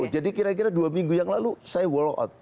jadi kira kira dua minggu yang lalu saya walk out